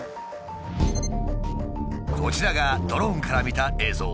こちらがドローンから見た映像。